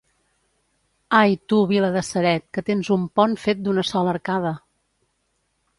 Ai, tu vila de Ceret, que tens un pont fet d'una sola arcada!